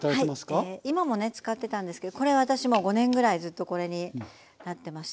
はい今もね使ってたんですけどこれ私もう５年ぐらいずっとこれになってまして。